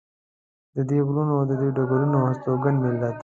د دې غرونو او دې ډګرونو هستوګن ملت.